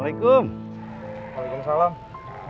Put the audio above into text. alaikum alaikum salam